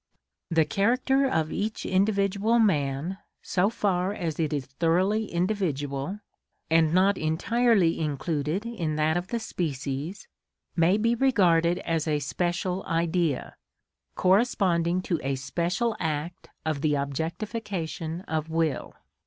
The character of each individual man, so far as it is thoroughly individual, and not entirely included in that of the species, may be regarded as a special Idea, corresponding to a special act of the objectification of will.